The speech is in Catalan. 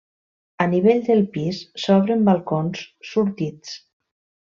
Al nivell del pis s'obren balcons sortits.